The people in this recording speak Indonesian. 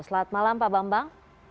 selamat malam pak bambang